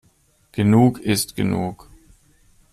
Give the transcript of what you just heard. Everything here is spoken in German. Genug ist genug.